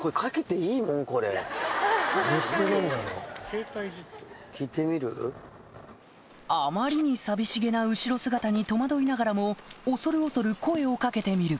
・・ケータイいじってる・あまりに寂しげな後ろ姿に戸惑いながらも恐る恐る声を掛けてみる